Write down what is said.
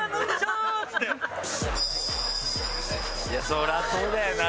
そりゃそうだよな